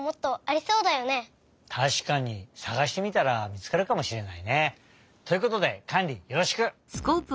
たしかにさがしてみたらみつかるかもしれないね。ということでカンリよろしく！